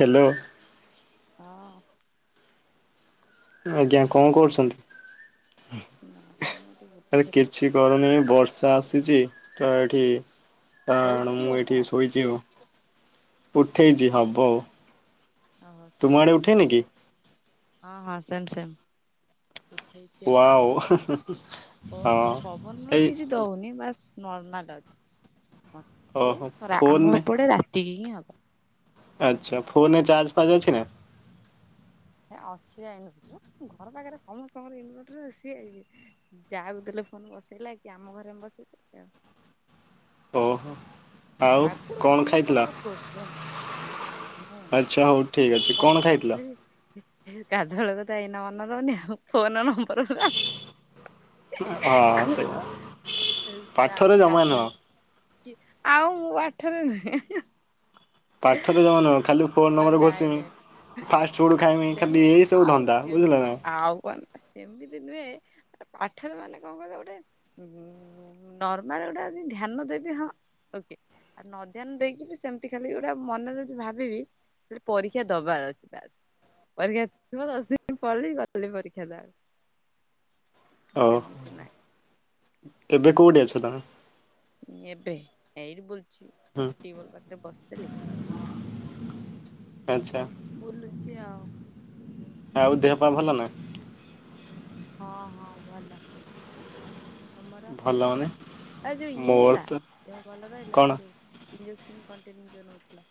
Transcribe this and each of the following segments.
Hello. ହଁ। ଆଜ୍ଞା କଣ କଁକର୍ଛ କରୁଛନ୍ତି? ନା ମ ଟିକେ ବୁଲ୍ଥୁଲି। କରନି ବର୍ଷା ଆସିଛି ତ ଏଠି ହଉଛି କଣ କି ମୁଁ ବର୍ଷା? ଏଠି ଶୋଇ ଚିଉ ଉଠେଇଛି ହବ ଆଉ ଓହୋ ସେମ ତୁମ ଆଡ଼େ ସେମ ଉଠେଇନି କି? ହଁ ହଁ ସେମ୍ ସେମ୍। ୱାଓ। କର୍ ହଁ ପବନର ଏଇ କିଛି ଦଉନି ବାସ୍ ନର୍ମାଲ୍ ଅଛି। ହଁ ସେଇ ଓହୋ ସରା ଆମ ଫୋନରେ ଏପଟେ ରାତିକି ହିଁ ହବ। ଏବେ ଆଚ୍ଛା ଆଉ ଫୋନେ ହବନି। ଚାର୍ଜ ପାଜ୍ ଅଛି ନା? ହେ ଅଛି ଆ ଇଁ ଘର ପାଖରେ ସମସ୍ତଙ୍କର ଇନ୍ଭେଟର୍ ସିଏ ଯାହାକୁ ଦେଲେ ଫୋନ ବସେଇଲା କି ଆମ ଘରେ ମୁଁ ବସେଇଦେଲି ଆଉ। ଓହୋ ଆଉ ଆଗରୁ କଣ ଖାଇଥିଲ? ସମସ୍ତଙ୍କର ପ୍ରୋବ୍ଲେମ ମୁଁ ଆଚ୍ଛା ହଉ ଠିକ୍ ମୁଁ ଅଛି କଣ ଖାଇଥିଲ? ଖାଇଥିଲି ଗାଧୁଆଳ କଥା ମନେ ରହୁନି ଆଉ ଫୋନ ନମ୍ବର। ହଁ ସେଇଆ ପାଠରେ ଜମା [unintelligible] ନୁହଁ ଆଉ। [unintelligible] ପାଠରେ ଜମା ନୁହଁ ଖାଲି ଫୋନ ଆଉ ନମ୍ବର ନାଇଁ ଘୋଷିମି ନାଇଁ। ଫାଷ୍ଟ ଫୁଡ ଖାଇମି ଖାଲି ସେମିତି ଏଇ ସବୁ ଆଉ ଧନ୍ଦା ବୁଝିଲ ସେମିତି। ନା। ଆଉ କଣ ନା। ସେମିତି ନୁହେଁ। ଆ ପାଠରେ ମାନେ କଣ କହିଲ ଗୋଟେ। ନର୍ମାଲ ଗୋଟା ଧ୍ୟାନ ଦେବି ହଁ। ଓକେ ଆ ନ ଧ୍ୟାନ ଦେଇକି ବି ସେମିତି ଖାଲି। ମନରେ ଯଦି ଭାବିବି ପରୀକ୍ଷା ଦବାର ଅଛି ବାସ। ପରୀକ୍ଷା ଥିବ ଦଶ ଦିନ ପଢ଼ିବି। ଗଲେ ପରୀକ୍ଷା ଦେବାକୁ। ଓହୋ ସେମିତି ନାଇଁ। ଏବେ କୋଉଠି ଅଛ ତମେ। ଏବେ ଏଠି ବୁଲୁଚି। ହୁଁ ଟିୱଲ ପାଖରେ ବସିଥିଲି। ଆଚ୍ଛା ବୁଲୁଚି ଆଉ। ଆଉ ଦେହ ପା ଭଲ ନା। ହଁ ହଁ ଭଲ। ତମର ଭଲ ମାନେ ଆ ଯୋଉ ଇଏ ମୋର ହେଲା। ତ ଦେହ ଭଲ ରହିଲା ସେ କଣ ଯୋଉ। ଇଞ୍ଜକ୍ସନ କଣ୍ଟେନ୍ୟୁ ଯୋଉ ନୋଉଥିଲ।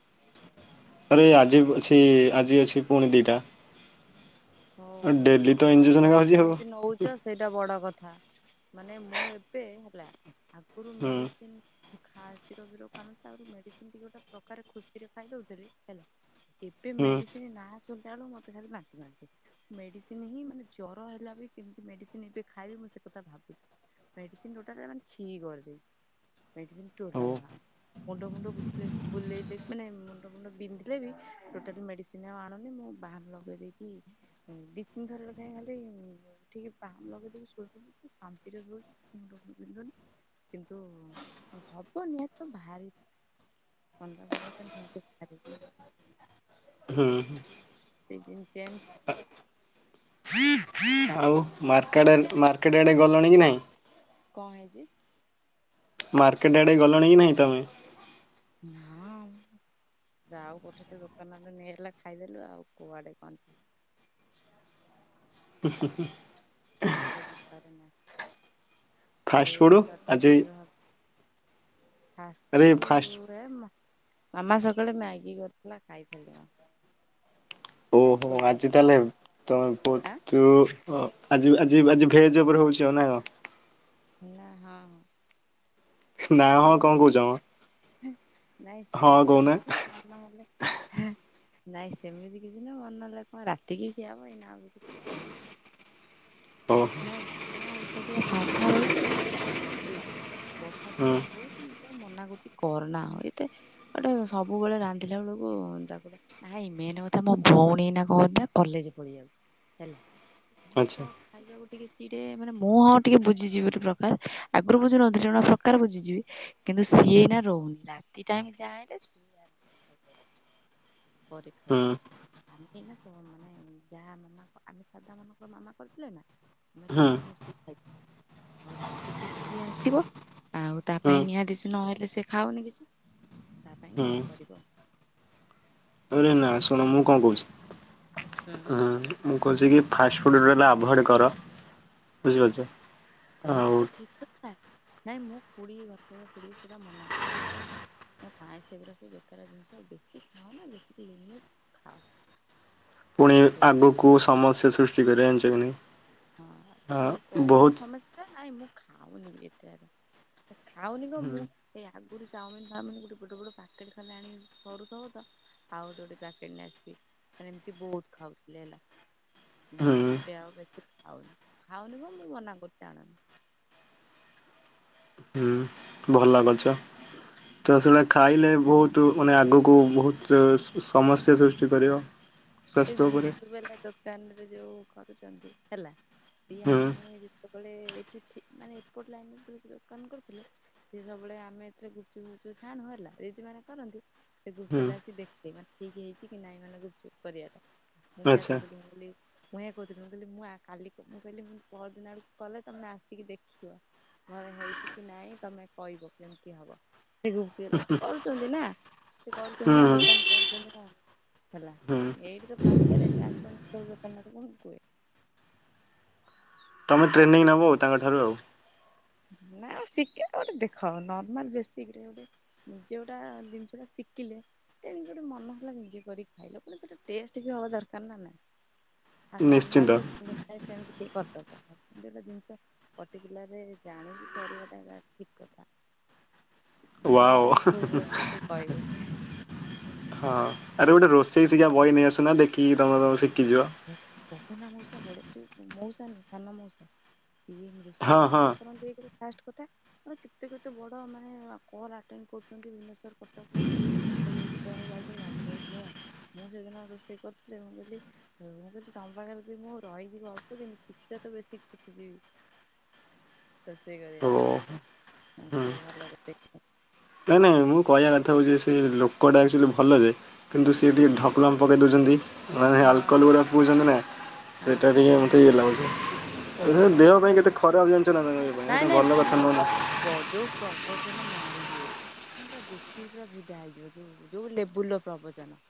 ଆରେ ଆଜି ଅଛି। ଆଜି ଅଛି ପୁଣି ଦୁଇଟା। ଓହୋ ଓହୋ ତ ଭଗବାନ ଇଞ୍ଜେକ୍ସନ ଏକା ତମେ ହଉଛି ଆଉ କେମିତି ନଉଚ। ନେଉଛ ସେଇଟା ବଡ଼ କଥା। ମାନେ ମୁଁ ଏବେ ହେଲା ଆଗରୁ ହୁଁ ମେଡିସିନ। ଖାସ୍ କ୍ଷୀର ଫିର ଖାଉ ନଥିଲି ମେଡିସିନ୍ ଗୋଟେ ପ୍ରକାର ଖୁସିରେ ଖାଇଦଉଥିଲି ହେଲା। ଏବେ ହୁଁ ମେଡିସିନ୍ ନାଁ ଶୁଣିଲା ବେଳକୁ ମୋତେ ଭାରି ବାନ୍ତି ବାନ୍ତି ମାଡୁଚି। ମେଡ଼ିସିନ ହିଁ ମାନେ ଜର ହେଲା ବି କେମତି ମେଡ଼ିସିନ ଏବେ ଖାଇବି ମୁଁ ସେ କଥା ଭାବୁଛି। ମେଡିସିନ ଯଉଟା ଖାଇବ ପୁରା ଛି କରିଦେଇଚି। ମେଡିସିନ୍ ହଉ ଟୋଟାଲ୍ ଖାଉନି। ମୁଣ୍ଡ ମୁଣ୍ଡ ବୁଲେଇଲେ। ମାନେ ମୁଣ୍ଡ ଫୁଣ୍ଡ ବିନ୍ଧିଲେବି ଟୋଟାଲ୍ ମେଡିସିନ୍। କିଛି ମୁଁ ଆଣୁନି ମୁଁ ବାମ୍ ଲଗେଇ ଦେଇକି ଦି ତିନି ଥର ଲଗେଇକି। ଠିକ୍ ବାମ୍ ଲଗେଇ ଦେଇକି ଶୋଇପଡୁଚୁ ଶାନ୍ତିରେ ଶୋଉଚି ମୁଣ୍ଡ ଫୁଣ୍ଡ ବିନ୍ଧୁନି। କିନ୍ତୁ ହବ ନିହାତିତ ଭାରି। [unintelligible] ହ୍ନୁ। ସିଜିନ୍ ଚେଞ୍ଜେ। ଆଉ। ମାର୍କେଟ ଆଡେ ଗଲଣି କି ନାଇଁ। କଣ ହେଇଚି। ମାର୍କେଟ୍ ଆଡ଼େ ଗଲଣି କି ନାହିଁ ତୁମେ। ହଁ ଆଉ ଗୋଟେ ଦୋକାନ ନେଇଆଇଲା ଖାଇଦେଲୁ ଆଉ କୁଆଡେ କଣ ଯିବୁ। ହୁଁ ହୁ ହୁଁ। କୁଆଡେ ଯିବାର ନାହିଁ। ଫାଷ୍ଟ ଫୁଡ ଏଇଠି ଜଳଖିଆ ଆଜି କରି ଦେବା ଫାଷ୍ଟ ଆରେ ଫାଷ୍ଟ ଫୁଡ। ମାମା ସକାଳେ ମ୍ୟାଗି କରିୁଥିଲା ଖାଇଥିଲି ମୁଁ। ଓହୋ ଫାଷ୍ଟଫୁଡ ଆଜି ଫାଷ୍ଟଫୁଡ ତାହେଲେ ଆଁ ଏମିତି। ଆଜି ଆଜି ଆଜି ଭେଜ ଉପରେ ହଉଛି ନା କଣ। ନା ହଁ। ନା ହଁ କଣ ସେମିତି। କହୁଛ ମ ନାଇଁ ହଁ ସେମିତି କହୁନା କିଛି ମନ ହେଲେ। ନାଇଁ ସେମିତି କିଛି ନାଁ ମନ ନେ ଲାଗେ କଣ ରାତିକି ଖିଆହବ ଆଉ କିଛି ଖିଆ ହେଇନି। ତମର। ନାଇଁ ମା ଏକାଟିଆ ସାଧା ରହିଚୁ ହେଲା ବର୍ଷାତ ହୁଁ ଯାହା ହଉଚି ମୁ ମନା କରୁଚି କରନା ହ ଏତେ ଗୋଟେ ସବୁବେଳେ ରାନ୍ଧିଲା ବେଳକୁ ତା ଗୁଡା ନାଇ ମେନ କଥା ମୋ ଭଉଣୀ ନା କହଥିଲା କଲେଜ ପଲେଇବାକୁ ହେଲା। ଇଏ ଆଚ୍ଛା ତ ଖାଇବା ଗୋଟେ ଟିକେ ଚିଡେ ମାନେ ମୁଁ ହଁ ଟିକେ ବୁଝିଯିବି ଗୋଟେ ପ୍ରକାର ଆଗରୁ ବୁଝୁନ ଥିଲି ଗୋଟେ ପ୍ରକାର ବୁଝିଯିବି କିନ୍ତୁ ସିଏ ଏଇନା ଏରହୁନି ରାତି ଟାଇମ୍ ଯାଏ ହେଲେ ପରୀ [unintelligible] କ୍ଷା ହୁଁ ଯାଇପାରୁଛି ଆମେ ତ ଏଇନା କ ମାନେ ଯାହା ମାନେ ଆମେ ସାଧା ମାନଙ୍କ ମାମା କରିଥିଲଥିଲେ ନା ଆମେ ହୁଁ ତିନ ଜଣ ମିଶିକ ଖାଇ ଆଉ ରାତିକି ସିଏ ଆସିବ। ଆଉ ତା ପାଇଁ ହୁଁ। ନିହାତି ସେ ନହେଲେ ସେ ଖାଉନି କିଛି, ତା ପାଇଁ ହୁଁ କଣ କରିବ? ଆରେ ନା ଶୁଣ ମୁଁ କଣ କହୁଛି ହୁଁ। ମୁଁ କହୁଛି କି ଫାଷ୍ଟଫୁଡ଼ ହେଲା ଆଭୋଏଡ଼୍ କର ବୁଝିପାରୁଚ। ସେଇଟା ତ ଠିକ କଥା ନାଇଁ ମୁଁ ଖୁଡିକି ଘର [unintelligible] ପାବା ଫୁଡିକି ସେଟା ମନା କରୁଥିଲି ବୁଝିଲନି। କାଇଁ ସେଗଡ଼ା ସବୁ ବେକାର ଜିନିଷ ବେଶୀ ଖାଅନା ଯେତିକି ଲିମିଟି ଖାଅ। ପୁଣି ହଁ ଆଗକୁ ସମସ୍ୟା ସୃଷ୍ଟି କରିବା ଜାଣିଛ କି ନାହିଁ? ହଁ ସେ କହୁଛନ୍ତି ସମସ୍ତେ। ନାଇଁ ମୁଁ ଖାଉନି ବି ଏତେ ଆଡ। ଖାଉନି କଣ ମୁଁ ହୁଁ ଏଇ ଆଗରୁ ଚାଉମିନ ଫାମିନ ଗୋଟେ ବଡ଼ ବଡ ପ୍ୟାକେଟ ଖାଲି ଆଣି କରୁଥବ ତ ଆଉ ଦୋଟି ପକେଟ ଆସିବି ହେଲେ ଏମିତି ବହୁତ ଖାଉଥିଲେ ହେଲା ହୁଁ ଏବେ ଆଉ ବେଶୀ ଖାଉନି, ଖାଉନି କଣ ମୁଁ ମନା କରୁଛି ଆଣନି। ହୁଁ। ଭଲ କରିଛ। ତ ସେଗୁଡ଼ା ଖାଇଲେ ବହୁତ ମାନେ ଆଗକୁ ବହୁତ ସମସ୍ୟା ସୃଷ୍ଟି କରିବ। [inaudible] ଏ ସ୍ୱାସ୍ଥ୍ୟ ଉପରେ ଗୁପଚୁପ୍ ବାଲା ଦୋକାନରେ ଯୋଉ କରୁଛନ୍ତି ହେଲା ସିଏ ହୁଁ ଆମେ ଯେତେବେଳେ ଏଠି ମାନେ ଏପଟ ଲାଇନି ସେ ଦୋକାନ କରୁଥିଲେ ସିଏ ସବୁବେଳେ ଆମେ ଏଥିରେ ଗୁପୁଚୁପୁ ଛାଣୁ ହେଲା ଦିଦି ମାନେ କରନ୍ତି। ସେ ଗୁପୁଚୁପୁ ହୁଁ ବାଲା ଆସି ଦେଖେ ମାନେ ଠିକ ହେଇଛି କି ନାଇଁ ମାନେ ଗୁପୁଚୁପ୍ କରିବା ଏଟା ମୁଁ ସେଇଆ ଆଚ୍ଛା କହିଥିଲି ମୁଁ କହିଲି ମୁଁ ଏଇଆ କହୁଥିଲି, ମୁଁ କହିଲି ମୁଁ କାଲି ମୁଁ କହିଲି ପହର ଦିନ ଆଡକୁ କଲେ ତମେ ଆସିକି ଦେଖିବ। ଭଲ ହେଇଚି କି ନାଇଁ ତମେ କହିବ କେମିତି ହବ? ସେ ଗୁପୁଚୁପୁ ବାଲା ସେ କରୁଛନ୍ତି ନା ସେ ହୁଁ କରୁଛନ୍ତି ନା ହୁଁ ଦୋକାନ କରୁଛନ୍ତି ନା ହେଲା ହୁଁ ଏଇଠି ତ ପାଖରେ ଯେ ଆସନ୍ତି [unintelligible] କ ଦୋକାନ ନାଥ କଣ କୁହେ ତମେ ଟ୍ରେନିଂ ନେବ ଆଉ ତାଙ୍କଠାରୁ ଆଉ ନାଉ ଶିଖି ଗୋଟେ ଦେଖାର୍ମାିକ ଗୋଟେ [unintelligible] ନିଜେ ଯଉଟା ଜିନିଷ ଟା ଶିଖିଲେ ତେଣିକି ଗୋଟେ ମନ ହେଲା ନିଜେ କରିକି ଖାଇବାକୁ, ହେଲେ ସେଟା ଟେଷ୍ଟ ବି ହବା ଦରକାର ନା ନାଇଁ। ଆ ନିଶ୍ଚିନ୍ତ ନର୍ମାଲ [unintelligible] ସେମତି କିଏ କରିଦବ ଗୋଟେ ଜିନିଷ ଜାଣିକି କରିବାଟା ଠିକ କଥା। ୱାଓ କୋଉଠି ଭୁଲ ରହୁଚି ସେ କହିବେ। ହଁ ଆରେ ଗୋଟେ ରୋଷେଇ ଶିଖିବା ବହି ନେଇଆସୁନା ଦେଖିକି ତମର ଶିଖିଯିବ। ଏ ପବନା ମଉସା ପ [unintelligible] ଡେ ଯୋଉ ମଉସା ନୁହେଁ ସାନ ମଉସା ସିଏ ମୃ ସେ ହଁ ହଁ ବନ୍ଦ କରନ୍ତୁ ଏକେରେ ଫାଷ୍ଟ କଥା। ଆରେ କେତେ କେତେ ବଡ ମାନେ କଲ୍ ଆଟେଣ୍ଡ କରୁଛନ୍ତି ଭୁବନେଶ୍ବର କଟକ ମାନେ ସେ ଯେତେବେଳେ ଯାଉଛନ୍ତି ନା ବୋଉ ତୁ ଆ ମୁଁ ସେଦିନ ରୋଷେଇ କରୁଥିଲି ମୁଁ କହିଲି ମୁଁ ଯଦି ତୋମ ପାଖରେ ଯି- ମୁଁ ରହିଯିବି ଅଳ୍ପ ଦିନ କିଛି ଟା ତେବେ ଶି-ଶିଖିଯିବି। ରୋଷେଇ କରିବାରେ, ଓ ହଁ ହୁଁ ସିଏ ଭଲ ରୋଷେଇ କ ନାଇଁ ନାଇଁ ମୁଁ କହିବା କଥା ହଉଛି ସେ ଲୋକଟା ଆକ୍ଚୁଲି ଭଲ ଯେ କିନ୍ତୁ ସିଏ ଟିକେ ଢକଲମ୍ ପକେଇ ଦଉଛନ୍ତି। ମାନେ ଆଲକଲ ହଁ ଗୁଡ଼ା ପିଉଛନ୍ତି ନା, ହଁ ସେଇଟା ଟିକେ ମୋତେ ଇଏ ଲାଗୁଛି। ସେଗୁରା କଣ ଦେହ ପାଇଁ ଭଲ କେତେ ଜିନ, ଖରାପ ଜାଣିଛ ନା ତମେ ପାଇଁ ସେଇଟା ନାଇଁ ନାଇଁ ଭଲ ସିି କଥା ଲୋ ନୁହଁ ନା। ବା ପ ଯୋଉ ପ୍ରବଚନ ମାରିବେ। ତୋମେ ପୁରା ଦେଖିକି ପୁରା ଫିଦା ହେଇଯିବ, ଯୋଉ ଯୋଉ ଲେବୁଲ୍ ର ପ୍ରବଚନ।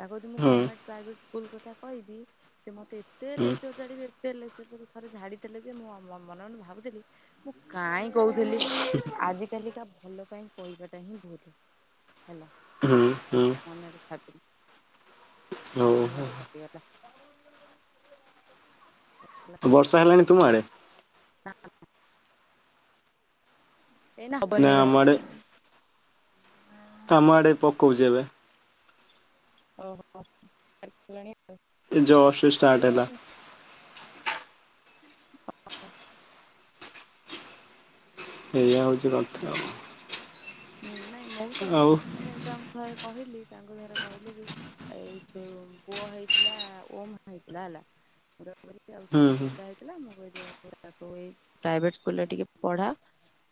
ତାକୁ ଯଦି ମୁଁ ହୁଁ ଗମେଣ୍ଟ ପ୍ରାଇଭେଟ୍ ସ୍କୁଲ୍ କଥା କହିବି ସେ ମୋତେ ଏତେ ହୁଁ ଲେକ୍ଚର୍ ଝାଡିବେ ଏତେ ଲେକ୍ଚର୍ ଝାଡିବେ। ଥରେ ଝାଡ଼ିଥିଲେ ଯେ ମୁଁ ମ-ମନେ ମନେ ଭାବୁଥିଲି। ମୁଁ କାଇଁ କହୁଥିଲି। ଆଜି କାଲିକା ଭଲ ପାଇଁ କହିବାଟା ହିଁ ଭୁଲ। ହେଲା ହୁଁ ହୁଁ ମନରେ ଭାବିଲି। ମୋ ହଉ ମନ ତ ଫାଟିଗଲା। ହଉ ବର୍ଷା ହେଲାଣି ତୁମ ଆଡ଼େ? ନା, ନା। ଏଇନା ନା ହବନି ବା। ଆମ ତୋମ ଆଡ଼େ ପକୋଉଚି ଏବେ? ଓହୋ। ଦେଖିଲଣି ଜଷ୍ଟ ଏଇ ଷ୍ଟାର୍ଟ ହେଲା। [inaudible] ଏଇଆ ହଉଛି କଥା ଆଉ। ହୁଁ, ନାଇଁ ମଉସା ଆଉ ମାନେ ତାଙ୍କୁ ଥରେ କହିଲି, ତାଙ୍କୁ ଥରେ କହିଲି କି ଏଇଠୁ ପୁଅ ହେଇଥିଲା ଓମ୍ ହେଇଥିଲା ହେଲା। [inaudible] ସିଏ ଆଉ ହୁଁ ଛୋଟ ହୁଁ ପିଲା ହେଇଥିଲା ମୁଁ କହିଲି ଆଉ ତୁ ତାକୁ ଏଇ ପ୍ରାଇଭେଟ୍ ସ୍କୁଲ୍ ରେ ଟିକେ ପଢା।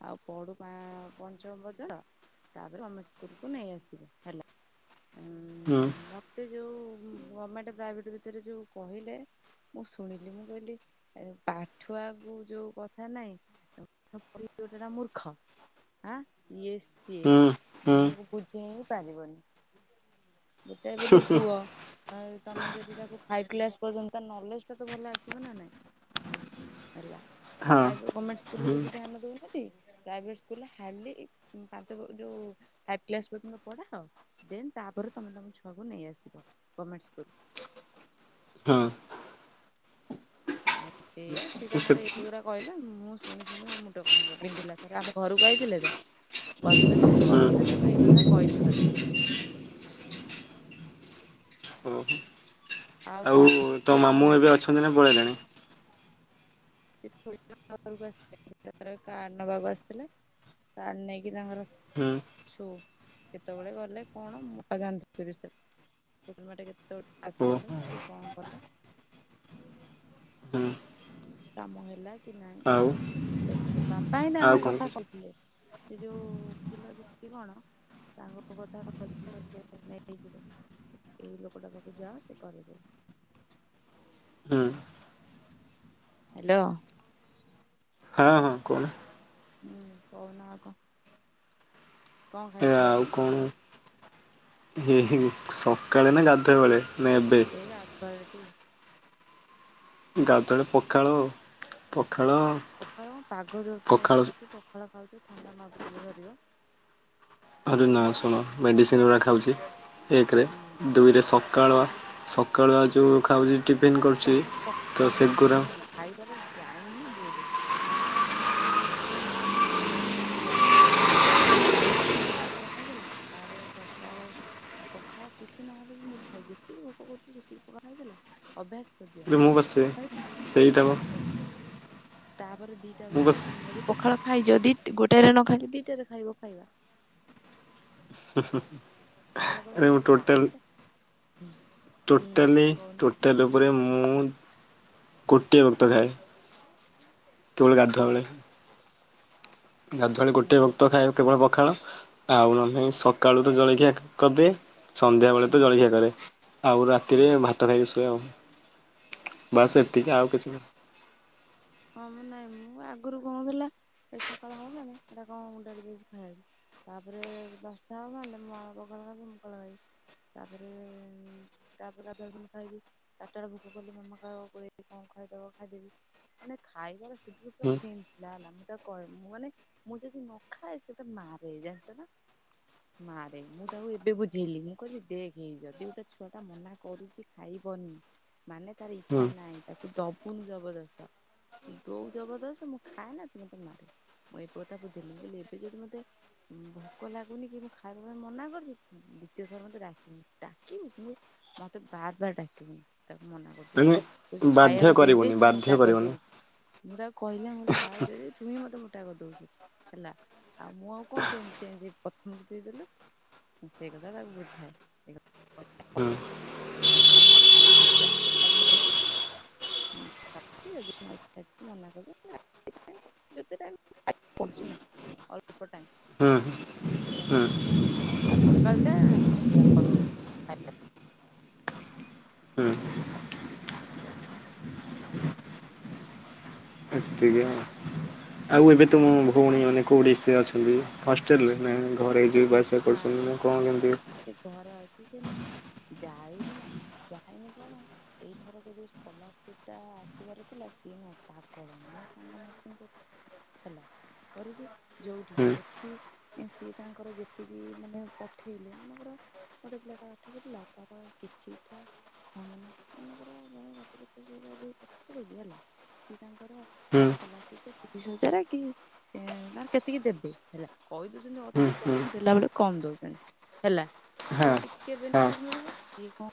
ଆଉ ପଢୁ ପା- ପଞ୍ଚମ ପର୍ଯ୍ୟନ୍ତ। ତ୍ୟ ତାପରେ ଗମେଣ୍ଟ ସ୍କୁଲ୍ କୁ ନେଇ ଆସିବ ହେଲା। ହୁଁ। ମୋତେ ଯୋଉ ଗମେଣ୍ଟ ପ୍ରାଇଭେଟ୍ ଭିତରେ ଯୋଉ କହିଲେ। ମୁଁ ଶୁଣିଲି ମୁଁ କହିଲି ଏ ପାଠୁଆକୁ ଯୋଉ କଥା ନାଇଁ [inaudible] ମୂର୍ଖ ଆଁ,। ଇଏ ସିଏ ହୁଁ ହୁଁ ମାନେ ତାଙ୍କୁ ବୁଝେଇ ହିଁ ପାରିବନି। ଗୋଟାଏ ବୋଲି ପୁଅ। ଆ ତୋମେ ଯଦି ତାକୁ ଫାଇଭ୍ କ୍ଲାସ୍ ପର୍ଯ୍ୟନ୍ତ ତା ନଲେଜ୍ ଟା ତ ଭଲ ଆସିବ ନା ନାଇଁ। ହେଲା, ପ୍ରାଇଭେ ହଁ ଗମେଣ୍ଟ ସ୍କୁଲ୍ ରେ ହୁଁ ବେଶୀ ଧ୍ୟାନ ଦଉନାହାନ୍ତି, ପ୍ରାଇଭେଟ୍ ସ୍କୁଲ୍ ରେ ହାଲି ଇ ଉଁ, ପାଞ୍ଚ ବ-ଯୋଉ ଫାଇପ୍ କ୍ଲାସ୍ ପର୍ଯ୍ୟନ୍ତ ପଢାଅ। ଦେନ୍ ତାପରେ ତୋମେ ତୋମ ଛୁଆକୁ ନେଇ ଆସିବ ଗମେଣ୍ଟ ସ୍କୁଲ୍। ହୁଁ, ହଁ ଆଉ ସେଇଆ ସେ ତାଙ୍କର ଏଇଗୁରାକ କହିଲା ମୁଁ ଶୁଣି ଶୁଣି ମୋ ମୁଣ୍ଡ କଣ ହେ- ବିନ୍ଧିଲା, ଥରେ ଆମ ଘରୁକୁ ଆଇଥିଲେ ତ। ବସିଥିଲେ ଗପୁଥିଲେ ମୁଁ ଏଇ କଥା କହିଛି ଥରେ। ଓହୋ। ଆଉ କଣ? ତୋ କଣ ମାମୁଁ ହେଇଛି। ଏବେ ଅଛନ୍ତି ନା ପଳେଇଲେଣି? [unintelligible] ତାପରେ କାର୍ ନବାକୁ ଆସିଥିଲେ। କାର୍ ନେଇକି ତାଙ୍କର ହୁଁ। ଛୁ, କେତେବେଳେ ଗଲେ କଣ, ମୁଁ ଆଉ ଜାଣିନି ସେ ବିଷୟରେ। [unintelligible] କୁହ କଲେ, କି କଣ କଲେ? ହୁଁ କାମ ହେଲା କି ନାଇଁ, ଆଉ ସେ, ବାପା ହିଁ ଆଉ ତାଙ୍କ କଣ କଥା କହୁଛ? କହିଥିଲେ। ସେ ଯୋଉ ଓକିଲ ଦେଖିକି କଣ, ତାଙ୍କ କଥା କହିଥିଲେ, କଇଥିଲେ ନେଇଯିବ। ଏଇ ଲୋକଟା ପାଖକୁ ଯାଅ, ସେ କରେଇଦେବେ। ହୁଁ। ହାଲୋ। ହଁ ହଁ, କହୁନୁ? ହୁଁ, କହୁନୁ ଆଉ କଣ? କଣ ଖାଇ ଏ ଆଉ କଣ? [unintelligible] ସକାଳେ ନା ଗାଧୁଆ ବେଳେ, ନା ଏବେ? ଏ ଗାଧୁଆ ଏଳେ ତି ଗାଧୁଆ ଏଳେ ପଖାଳ, ପଖାଳ ପଖାଳ କଣ ପାଗ ଯୋଉ ଚେଞ୍ଜ ପଖାଳ କରୁଚି, ପଖାଳ ଖାଉଚ, ଥଣ୍ଡା ନ ଧରୁଥିଲେ ଧରିବ। ଆରେ ନା ଶୁଣ, ମେଡ଼ିସିନ ଗୁରା ଖାଉଚି ଏକରେ, ହଁ ଦୁଇରେ ସ ସକାଳ, ସକାଳୁଆ ଯୋଉ ଖାଉଚି, ଟିଫିନ୍ କରୁଚି, ତ ସେଗୁରା ଖାଇବା ର ଟାଇମି ହିଁ ଭୁଲୁ। ସକାଳେ ତମେ ଗୋଟେ ଉଠିଲ, ଯେହେତୁ ବେଳା ବେଳି ଟିକେ ଉଠିଚ ତମେ ତମର କଣ ଟିକେ ଗୋଟେ ଜଳଖିଆ ଖାଇଦେଲ, ତା ପରେ ଦଶ ଟା ବେଳେ ଆଉ ପଖାଳ କିଛି ନ ହେଲେ ବି ମୁଠାଏ, ଯେତିକି ଭୋକ କରୁଚି, ସେତିକି ପଖାଳ ଖାଇଦେଲ ଅଭ୍ୟାସ କରିଦିଅ, ରେ ମୁଁ ବସେ ପଖାଳ ଖାଇଦେଲ, ସେଇଟା ବା ତାପରେ, ତାପରେ ଦି ଦିଟା ମୁଁ ବେଳ କୁ ବସେ ଯଦି ପଖାଳ ଖାଇଚ, ଦି ଗୋଟାଏ ରେ ନ ଖାଇଲେ, ଦିଟା ରେ ଖାଇବ ଖାଇବା। ହୁଁ ହୁଁ। [unintelligible] ଟାଇମ୍ ଟା, ହୁଁ, ହୁଁ, କହୁନୁ? [unintelligible] ପରେ ମୁଁ, ଗୋଟିଏ ବକ୍ତ ଖାଏ। [unintelligible] ଗାଧୁଆ ବେଳେ। ଗାଧୁଆଳି ହୁଁ ଗୋଟେ ବକ୍ତ ଖାଏ କେବଳ ପଖାଳ, ଆଉ ନ ହେଲେ ନାହିଁ ସକାଳୁ ତ ଜଳଖିଆ କରିଦିଏ। ସନ୍ଧ୍ୟା ବେଳେ ହୁଁ ତ ଜଳଖିଆ କରେ। ଆଉ ରାତି ରେ ହୁଁ ଭାତ ଖାଇକି ଶୁଏ ଆଉ। ଅ ବାସ୍ ଏତିକି, ଆଉ କିଛି ନାହିଁ। ହଁ ମୁଁ, ନାଇଁ ମୁଁ, ଆଗରୁ କହୁଥିଲା ଏ ସକାଳ ହବ ମାନେ, ଏଇଟା କଣ [unintelligible] ଦେଇଛି ଖାଇବାକୁ। ତା ପରେ ଦଶଟା ହବ ମାନେ, ମୋ ମାମା ପଖାଳ ଖାଇବ, ମୁଁ ପଖାଳ ଖାଇବି। ତା ପରେ, ତା ପରେ ଗାଧୁଆବେଳେ ସେମିତି ଖାଇବି। ଚାରି ଟା ବେଳେ ଭୋକ କଲେ, ମାମା ଖାଇବ, ଗୋଳେଇକି କଣ ଖୁଆଇଦବ, ଖାଇଦେବି। ମାନେ ଖାଇବାର [unintelligible] ହୁଁ ସେମ୍। ହେଲା ହେଲା। ମୁଁ ତାକୁ କହେ, ମୁଁ ମାନେ ମୁଁ ଯଦି ନଖାଏ, ସେ ମତେ ମାରେ, ଜାଣିଚ ନା? ମାରେ, ମୁଁ ତାକୁ ଏବେ ବୁଝେଇଲି, ମୁଁ କହିଲି ଦେଖି ଯଦି ଗୋଟେ ଛୁଆ ଟା ମନା କରୁଚି ଖାଇବନି, ମାନେ ତାର ଇଛା ହୁଁ ନାହିଁ। ତାକୁ ଦବୁନୁ ଜବରଦସ୍ତ ଦଉ ଜବରଦସ୍ତ, ମୁଁ ଖାଏ ନା, ତ ମତେ ମାରେ, ମୁଁ ଏ କଥା ବୁଧେଇଲି, ମୁ କହିଲି ଏବେ ଯଦି ମତେ ଭୋକ ଲାଗୁନି କି ମୁଁ ଖାଇବା ପାଇଁ ମନା କରିଚି, ଦ୍ୱତୀୟ ଥର ମତେ ଡାକିବୁନି, ଡାକିବୁ ମୁଁ ମତେ ବାର ବାର ଡାକିବୁନି, ତାକୁ ମନା କରୁଚି ଏବେ, ମାନେ କହୁଚି ବାଧ୍ୟ ଖାଇବାକୁ ଦେଇ କରିବୁନି ଦେଇ ତୁ ବାଧ୍ୟ ମୋଟା କରିଦେ କରିବୁନି ମୁଁ ତାକୁ କହିଲି ମୁ [unintelligible] ଖାଇବା ଦେଇ ଦେଇ ତୁହି ମତେ ମୋଟା କରି ଦଉଚୁ ହେଲା ଆଉ ମୁଁ ଆଉ କଣ ଚେନ ଚେନଯେ୍ ହେବି ପଥମରୁ ଦେଇଦେଲୁ। ମୁଁ ସେଇ କଥା ତାକୁ ବୁଝାଏ, ଏ ହୁଁ। [inaudible] [inaudible] ମନା କରିବେ। ଯେତେ ଟାଇମ୍ ପାଠ ପଡୁଛି ନା ଅଳ୍ପ ଟାଇମ। ହୁଁ। ବେଶୀ ହୁଁ ଟାଇମ, ଆଉ ସକାଳଟା ଅଭ୍ୟାସ ଆଉ କରୁନି। ଖାଇବା ହୁଁ। ବ୍ୟସ୍ତ, ଏତେ କିୟଣ ଆଉ ଏବେ ତୁମୋ ଭଉଣୀ ମାନେ କେଉଠି ସେ ଅଛନ୍ତି, ହଷ୍ଟେଲରେ ନା ଆ-? ଘରେ ଯିବା ଆସିବା କରୁଛନ୍ତି, ନା କଣ କେମିତି? ସେ ଘରେ ଅଛି ସିନା, ଯାଇନି-ଯାଇନି କଣ-? ଏଇଥରକ ଯୋଉ ସ୍କଲାରସିପ ଟା ଆସିବାର ଥିଲା ସିଏ ନା ପାଗଳ ମୋ ସାଙ୍ଗ ମାନଙ୍କ ହେଲା କରୁଛି, ଯୋଉଠି ହୁଁ ସେଠି ଇଁ ସେ ତାଙ୍କର ଯେତିକି ମାନେ ପଠେଇଲେ ମନେଙ୍କର ଗୋଟେ ପିଲାଟା ପାଠ ପଢୁଥିଲା ତାର କିଛିଟା ମାନଙ୍କର ଜଣେ [inaudible] ସିଏ ତାଙ୍କର। ହୁଁ ସ୍କୋଲାର୍ଷିପ ତ ତିରିଶ ହଜାର କି ଏଁ ତାର କେତିକି ଦେବେ ହେଲା କହିଦଉଛନ୍ତି। ହୁଁ ଠିକ୍ ହୁଁ କି ଦେଲା ବେଳେ କମ ଦଉଛନ୍ତି, ହେଲା ହଁ ଏଟେ ଟିକେ ହଁ ବେନିଫିଟ ମିଳିବ କି କଣ